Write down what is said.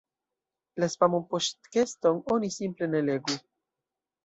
La "spamo-"poŝtkeston oni simple ne legu.